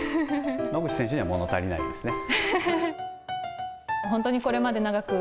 野口選手には物足りないですね。